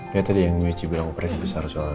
kayak tadi yang mici bilang operasi besar soalnya kan